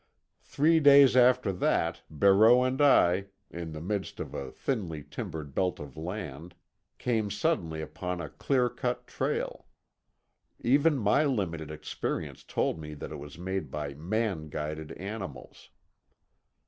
Three days after that Barreau and I, in the midst of a thinly timbered belt of land, came suddenly upon a clear cut trail. Even my limited experience told me that it was made by man guided animals.